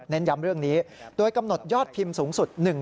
ย้ำเรื่องนี้โดยกำหนดยอดพิมพ์สูงสุด